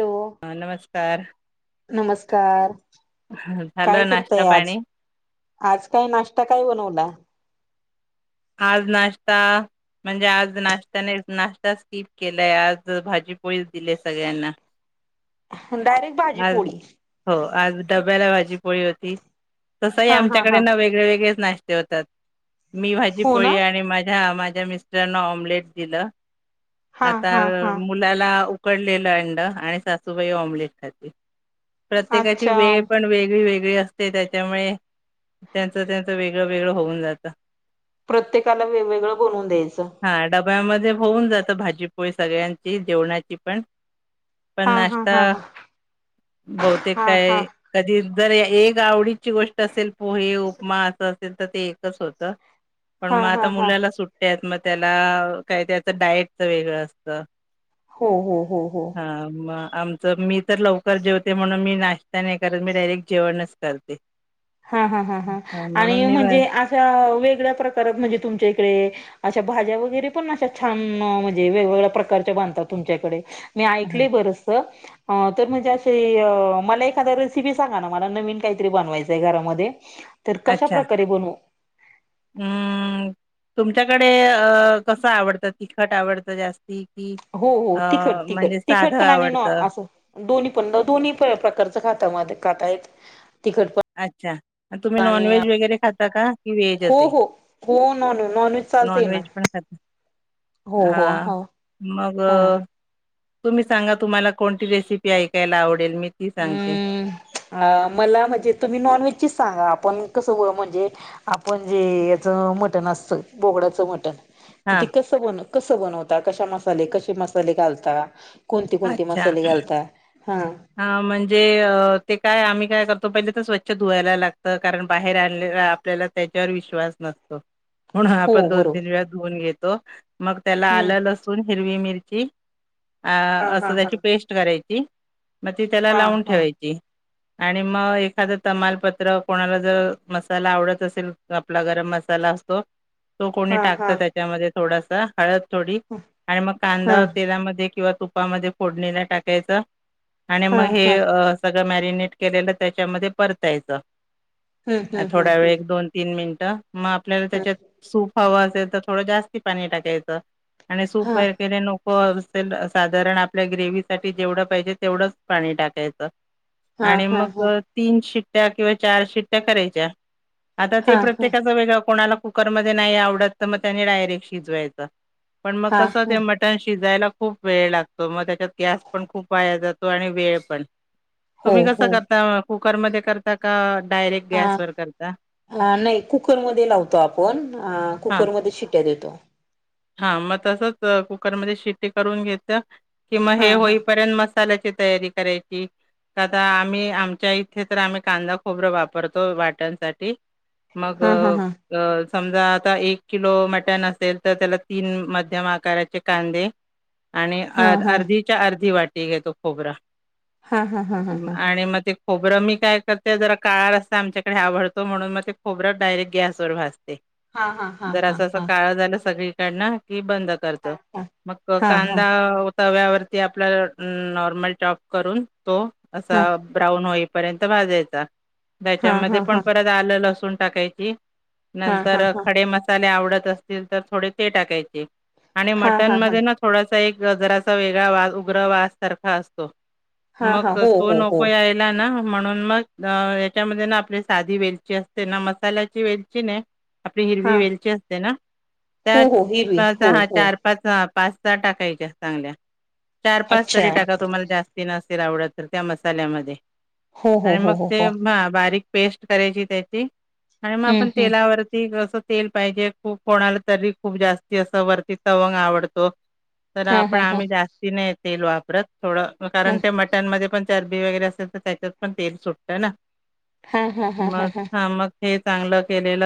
Hello ह नमस्कार. नमस्कार काय झालं नाश्ता करतय आज. पाणी आज काय नाश्ता काय बनवला. आज नाश्ता. म्हणजे आज नाश्त्याने नाश्ता स्कीिप केलाय आज भाजी पोळीस दिली सगळ्यांना. [inaudible] डायरेक्ट भाजी आज पोळी. हो आज डब्याला भाजी पोळी होती तसंही हा हा हा आमच्याकडे ना वेगळे वेगळेच नाश. तात मी भाजी हो ना पोळी आणि माझ्या माझ्या मिस्. [inaudible] हा हा हा पुलाला उकडलेलं अंड आणि सासूबाई ऑमलेट खाते. प्रत्येकाची अच्छा वेळ पण वेगळी वेगळी असते. ते त्याच्यामुळे त्यांचं-त्यांच वेगळं-वेगळं होऊन जातं. प्रत्येकाला वेगवेगळं बनवून द्यायचं. हा डब्यामध्ये होऊन जातं भाजीपोळी सगळ्यांची जेवणाची पण. पण हा हा नाश्ता हा हा बहुतेक हा हा काय. कधी जर एक आवडीची गोष्ट असेल पोहे उपमा असं असेल तर ते एकच होतं. पण हा मग आता हा हा मुलाला सुट्ट्यात मग त्याला काय त्याचं डायटच वेगळं असतं. हो हो हो. हा मग आमचं मी तर लवकर जेवते म्हणून मी नाश्ता नाही करत मी डायरेक्ट जेवणच करते. हा हा हा हां म्हणून आणि मी म्हणजे बाहेर अशा वेगळ्या प्रकारात म्हणजे तुमच्या इकडे. अशा भाज्या वगैरे पण अशा छान म्हणजे वेगवेगळ्या प्रकारच्या बांधतात तुमच्याकडे. मी हां, ऐकली बरस. ह तर म्हणजे असशी मला एखादा रेसिपी सांगा ना मला नवीन काहीतरी बनवायचं. [unintelligible] तर कशा प्रकारे बन. अम् तुमच्याकडे अ कसं आवडतं तिखट आवडतं जास्त. ते क. हो हो तिखट तिखट तिखट पण आणि न आवडतं असं. दोन्ही पण दोन्ही प्रकारच खात खात आहेत तिखटप. अच्छा! तुम्ही नॉनव्हेज वगैरे खाता का कि व्हेज हो असे हो हो नॉन नॉनव्हेज चालतंय नॉन ना व्हेज पण खाता. हो हो हा हो मग. हा तुम्ही सांगा तुम्हाला कोणती रेसिपी ऐकायला आवडेल मी ती सांगते. अ मला म्हणजे तुम्ही नॉन व्हेजचीच सांगा आपण कसं हो म्हणजे. आपण जे याचं मटण असतं बोगडाचं मटण. तर हां ते कस ब कस बनवता कशा मसाले कसे मसाले घालता. कोणती कोणती मसाली घालता हां. ह म्हणजे ते काय आम्ही काय करतो पहिले तर स्वच्छ धुवायला लागतं कारण बाहेर आणले आपल्याला त्याच्यावर विश्वास नसतो. म्हणून हो आपण दोन बरोबर तीन वेळा धुवून घेतो मग त्याला आल, हम्म लसूण, हिरवी मिरची. अ हा हा असं हा त्याची पेस्ट करायची मग ती त्याला हा लावून हा ठेवायची. आणि मग एखादं तमालपत्र कोणाला जर मसाला आवडत असेल, आपला गरम मसाला असतो तो कोणी हा टाकत हा त्याच्यामध्ये थोडासा हळद. थोडी आणि मग हा कांदा तेलामध्ये किंवा तुपामध्ये फोडणीला टाकायच. आणि हा मग हे हा सगळं मॅरिनेट केलेलं त्याच्यामध्ये परतायच. हम्म हम्म हम्म थोड्या वेळ हम्म एक दोन तीन मिनिटं मग आपल्याला हम्म त्याच्यात सूप हव असेल तर थोड जास्त पाणी टाकायच. आणि हा सूप वगैरे नको असेल साधारण आपल्या ग्रेवि साठी जेवढ पाहिजे तेवढंच पाणी टाकायचं हा आणि हा मग हा तीन शिट्ट्या किंवा चार शिट्ट्या करायच्या आता ते हा हा प्रत्येकाचा वेगळं कोणाला कुकरमध्येध्ये नाही आवडत तर मग त्याने डायरेक्ट शिजवायच पण मग हा कस ते हा म ण शिजायला खूप वेळ लागतो मग त्याच्यात गॅस पण खूप वाया जातो आणि वेळ पण हो तुम्ही कसं हो करता कुकरमध्ये करता का? डायरेक्ट हा गॅसवरर करता. अ नाही कुकरमध्ये लावतो आपण अ कुकरमध्ये शिट्य. घे तो हा मग तसच कुकरमध्ये शिट्टी करून घेतच कि मग हा हे हा होईपर्यंत मस्त लाची तयारी करायची. का आता आम्ही आमच्या इथे तर आम्ही कांदा खोबरं वापरतो वाट्यांसाठी मग हा हा हा अ समजा आता एक किलो मटण अससेल तर त्याला तीन मध्यम आकाराचे कांदे आणि हा हा अर्धी च्या अर्धी वाटी घेतो खोबरा हा हा हा हा हा. आणि मग ते खोबरं मी काय करते जरा काळ रस्ता आमच्याकडे आवडतो म्हणून मग ते खोबरं डायरेक्ट गॅसवरर भासते. हा हा हा जर हा असं असं हा. काळ झालं सगळी कि बंद करत हा मग हा हा कांदा तव्यावरती आपल्या नॉर्मल टॉप करून तो हा असा ब्राऊन होईपर्यंत भाजायचा हा हा हा त्याच्यामध्ये हा हा. पण परत आलं लसण टाकायची. हा नंतर हा खडे मसाले आवडत असतील तर थोडे ते टाकायचे. आणि मटन हा हा मध्ये ना थोडासा एक गजराचा वेगळा वा उग्र वास सारखा असतो. हा हा मग हो तो हो हो नको यायला ना म्हणून मग याच्यामध्ये ना आपली साधी वेलची असते ना मसाल्याची वेलची नाही. आपली हा हिरवी वेलची असते ना हो हो हिरवी हो त्या हा हो. चार पाच पाच स टाकायच्या चांगल्या चार पाच अच्छा तरी टाका तुम्हाला जास्त आवड त्या मल्यामध्ये हो हो आणि हो मग हो हो ब पेस्ट करायची त्याची आणि मग हम्म आपण हम्म तेलावरती कस तेल पाहिजे खूप कोणाला तरी खूप जास्ती असं वरती तवंग आवडतो तर हा आपण हा हा आम्ही जास्ती नाही तेल वापरत थोडं हा. कारण ते मटनमध्ये पण चरबी वगैरे असेल तर त्याच्यात पण तेल सुटत ना. हा हा हा मग हा मग हे चांगलं केलेल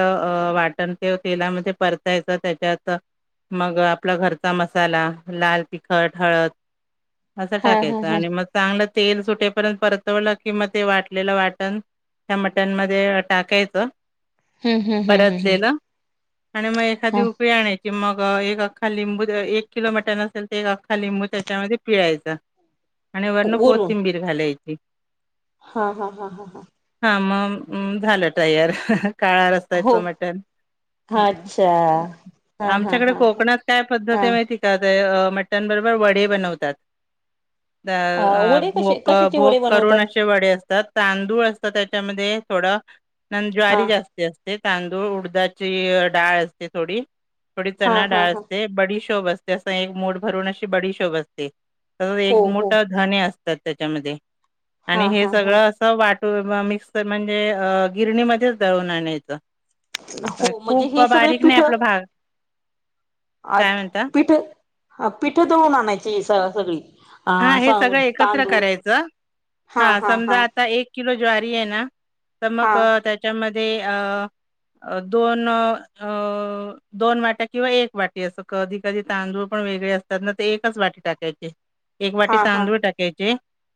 वाटण ते तेला म पर त्याच्यात मग आपला घरचा मसाला लाल, तिखट, हळद असं हा हा टाकायचं हा आणि मग चांगलं तेल सुटेपर्यंत परतवलं कि मग ते वाटलेलं वाटण. त्या मटणमध्येध्ये टाकायच हम्म हम्म हम्म हम्म हम्म परतलेलं आणि मग एखादी हा. उपय आणायची कि मग एक अख्खा लिंबू एक किलो मटर नसेल तर एक अख्खा लिंबू त्याच्यामध्ये पिळायचा. आणि वर्ण वरून कोथिंबीर घालायची हा हा हां हां हां हा मग झालं तयार काळा हो रसायचं मटन. अच्छा हा हा आमच्याकडे हा हा कोकणात काय पद्धती माहिती का मटन बरोबर वडे बनवतात. हा अ वडे कसे भोक कशाचे भोक वडे करून बनवतात असे वडे असतात तांदूळ असतं त्याच्यामध्ये थोडं न हा ज्वारी जास्त असते तांदूळ उडदाची डाळ असते थोडी थोडी हा चणा हा डाळ हा असते बडीशोप असते असं एक मूठ भरून अशी बडीशोप असते हो एक हो मूठ धणे असतात त्याच्यामध्ये हा आणि हे हा हा सगळं अस वाटून मिक्स म्हणजे गिरणीमध्येच दळून आणायच हो म्हणजे हे सगळे पिठं हा आज पिठं ह पिठं दळून आणायची स सगळी अ हा हे सगळं एकत्र तांदूळ करायचं हा समजा आता एक किलो ज्वारी आहे ना तर हा मग त्याच्यामध्ये अ अ दोन अ दोन वाट्या किंवा एक वाटी असं कधी कधी तांदूळ पण वेगळे अस त्यांना ते एकच वाटी टाकायचे एक वाटी हा हा तांदूळ टाकायचे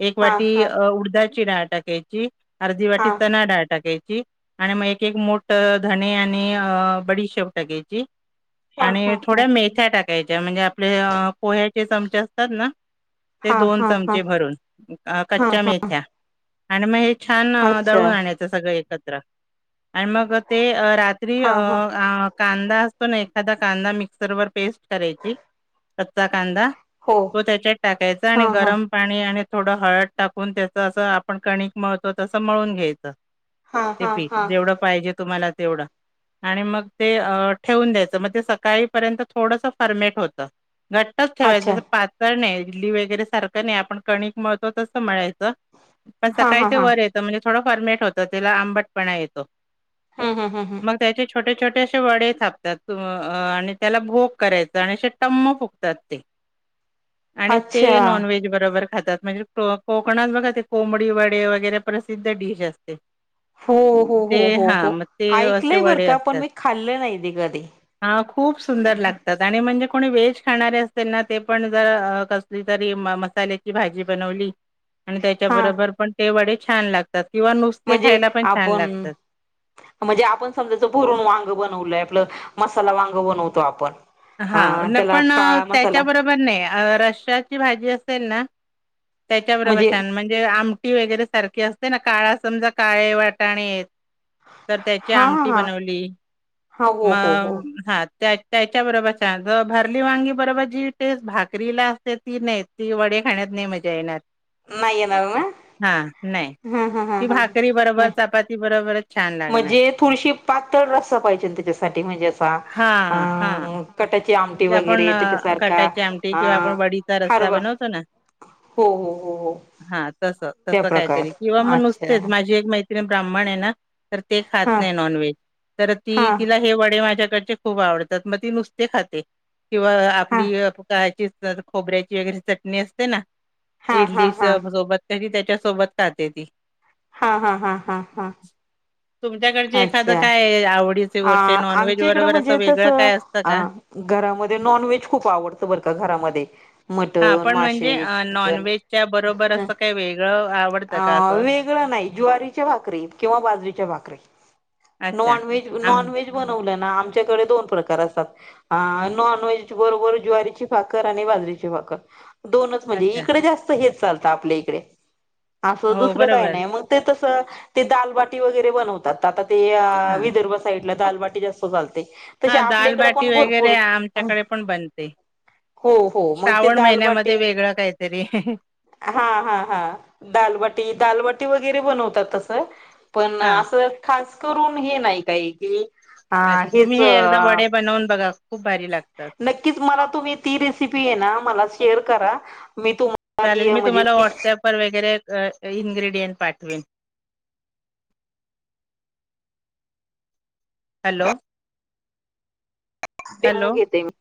एक हा वाटी हा उडदाची डाळ टाकायची अर्धी हा वाटी चणा डाळ टाकायची आणि मग एक एक मूठ धणे आणि बडीशेप टाकायची हा आणि हा हा थोड्या मेथ्या टाकायच्या म्हणजे आपले पोहे्याचे चमचे असतात ना ते हा दोन हा चमचे भरून हा हा कच्च्या हा मेथ्या आणि मग हे छान अच्छा दळून आणायचं सगळं एकत्र आणि मग ते रात्री हा अ हा कांदा असतो ना एखादा कांदा मिक्सर वर पेस्ट करायची कच्चा कांदा हो तो त्याच्यात टाकायचा आणि हा हा गरम पाणी आणि थोडं हळद टाकून त्याच असं आपण कणिक मळतो तसं मळून घ्यायचं हा ते हा पीठ हा जेवढं पाहिजे तुम्हाला तेवढं आणि मग ते ठेवून द्यायचं मग ते सकाळीपर्यंत थोडस फर्मेट होतं घट्टच ठेवायचं अच्छा जसं पातळ नाही इडली वगैरे सारखं नाही आपण कणिक मळतो तसं म्हळायचं पण हा सकाळी हा ते हा वर येतं म्हणजे थोडं फॉर्मेट होतं त्याला आंबटपणा येतो. हा-हा हम हम मग त्याचे छोटे-छोटे असे वडे थापतात आणि त्याला भोक करायच आणि असे टम्म फुकतात ते. आणि ते अच्छा नॉन व्हेज बरोबर खातात म्हणजे कोकणात बघा ते कोंबडी वडे वगैरे प्रसिद्ध डिश असते. हो हो हो ते हो हा हो मग ते असे ऐकलंय बरं वडे का पण असतात. मी खाल्लं नाही ते कधी अ खूप सुंदर लागतात आणि म्हणजे कोणी व्हेज खाणारे असतील ना ते पण जर कसली तरी मसाल्याची भाजी बनवली आणि हा त्याच्याबरोबर पण ते वडे छान लागतात किंवा नुसते म्हणजे खायला पण छान आपण लागतात. म्हणजे आपण समजायच भरून वांग बनवलंय आपलं मसाला वांग बनवतो आपण अ हा त्याला पण काळा मसाला त्याच्याबरोबर पण नाही रस्साची भाजी असेल ना त्याच्या बरोबर म्हणजे छान म्हण ते आमटी वगैरे सारखी असते ना काळा समजा काळे वाटाणे तर त्याची हा हा आमटी हा बनवली हा हो हो हो मग हा त्या-त्या त्या बरोबर असते भरली वांगी बरोबर जी ते भाकरी ला असते ती नाही येत ती वडे खाण्यात नाही मजा येणार नाही येणार ना हा नाही हा हा हा ती हा भाकरी बरोबर नाही चपाती बरोबरच छान लागणार. म्हणजे थोडीशी पातळ रस्सा पाहिजे त्याच्यासाठी म्हणजे असा अ हां, हां. कटाची आमटी आपण वगैरे त्याच्यासारखा कटाची आमटी अ किंवा आपण वडीचा रस्सा हरवा बनवतो ना हो हो हो हो हा तस-तस त्या काही प्रकार तरी किंवा मग अच्छा नुसतेच माझी एक मैत्रिन भ्राम्हण आहे ना तर ते खात हा नाही नॉनव्हेज तर हा ती तिला हे वडे माझ्याकडचे खूप आवडतात मग ती नुसते खाते. किंवा हा हा आ [inaudible] खोबऱ्याची वगैरे चटणी असते ना. हा हा इडलीच हा सोबत कधी त्याच्या सोबत खाते ती. हा-हा-हा-हा-हा. तुमच्याकडचे एखादं काय आवडीच अ आमच्या इकडं म्हणजे तस असतं अ का? घरामध्ये नॉन व्हेज खूप आवडतं बरं का घरामध्ये हा मटण पण मासे म्हणजे चिकन नॉनव्हेजच्या बरोबर असं काही वेगळं आवड अ वेगळं नाही ज्वारीचे भाकरीे किंवा बाजरीच्या भाकरीे अच्छा. आम नॉनव्हेज-नॉनव्हेज बनवलं ना आमच्याकडे दोन प्रकार असतात. हा नॉनव्हेज बरोबर ज्वारीची भाकर आणि बाजरीची भाकर दोनच म्हणजे अच्छा. इकडे जास्त हेच चालतं आपल्या इकडे. असं हो, दुसरं काही बरोबर. नाही मग ते तसं ते दालबाटी वगैरे बनवतात आता ते हां. विदर्भ साईड ला दालवाटी जास्त चालते तसे हा आपल्याकड दालबाटी पण वगैरे भरपूर आमच्याकडे पण बनते. हो-हो मग ते श्रावण महिन्यामध्ये दालबाटी वेगळं काहीतरी [inaudible] हा-हा-हा दालवाटी-दालवाटी वगैरे बनवतात तस पण हा असं खास करून हे नाही काय की अ अच्छा हेच तुम्ही हे एकदा वडे बनवून बघा. खूप भारी लागतात. नक्कीच मला तुम्ही ती रेसिपी आहे ना मला शेअर करा मी तुम्हा चालेल मी तुम्हाला व्हाट्सअप वर वगैरे इनग्रेडियंट पाठवेन. हॅलो. डेमो हॅलो घेते मी.